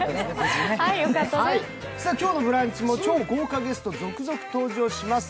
今日も「ブランチ」も豪華ゲストが続々登場します。